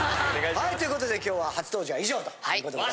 はいということで今日は初登場は以上ということで。